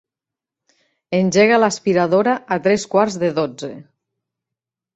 Engega l'aspiradora a tres quarts de dotze.